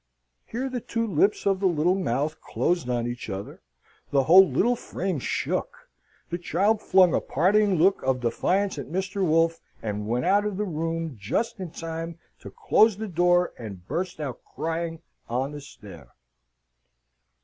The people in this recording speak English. Here the two lips of the little mouth closed on each other: the whole little frame shook: the child flung a parting look of defiance at Mr. Wolfe, and went out of the room, just in time to close the door, and burst out crying on the stair.